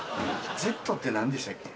「Ｚ」って何でしたっけ？